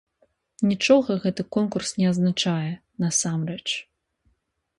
Нічога гэты конкурс не азначае, насамрэч.